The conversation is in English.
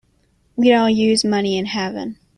We don't use money in heaven.